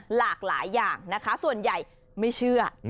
หลากหลายอย่างนะคะส่วนใหญ่ไม่เชื่อ